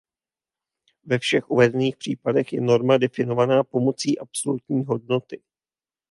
Ve všech uvedených případech je norma definovaná pomocí absolutní hodnoty.